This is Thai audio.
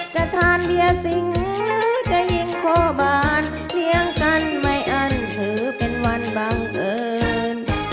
จะทานเบี้ยสิงหรือจะยิงโคบาลเที่ยงกันไม่เอาถือเป็นวันบางเกิน